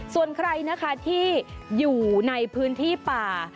ส่วนใครนะคะที่อยู่ในพื้นที่ป่า